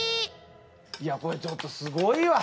いやこれちょっとすごいわ。